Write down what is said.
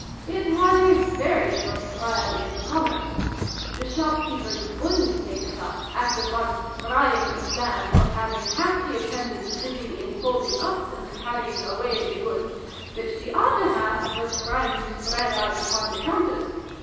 " It had a very short trial in Commerce. The shop keepers wouldn't take it up, after once trying the plan of having half the attendants busy in folding up and carrying away the goods which the other half were trying to spread out upon the counters.